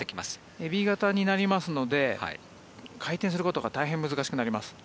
エビ型になりますので回転することが大変難しくなります。